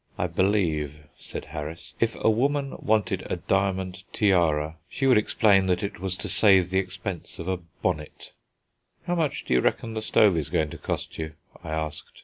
I believe," said Harris, "if a woman wanted a diamond tiara, she would explain that it was to save the expense of a bonnet." "How much do you reckon the stove is going to cost you?" I asked.